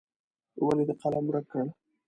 ولې دې قلم ورک کړ.